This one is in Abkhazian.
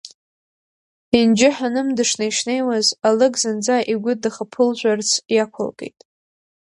Енџьы-Ҳаным дышнеи-шнеиуаз алыг зынӡа игәы дахаԥылжәарц иақәылкит.